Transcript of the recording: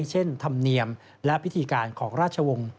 ธรรมเนียมและพิธีการของราชวงศ์